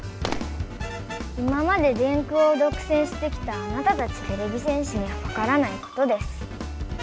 今まで電空をどくせんしてきたあなたたちてれび戦士にはわからないことです。